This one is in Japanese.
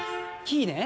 キーね。